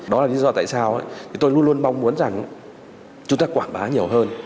đó là lý do tại sao thì tôi luôn luôn mong muốn rằng chúng ta quảng bá nhiều hơn